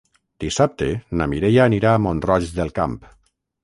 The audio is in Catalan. Dissabte na Mireia anirà a Mont-roig del Camp.